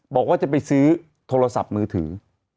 บอกว่าจะไปซื้อโทรศัพท์มือถือ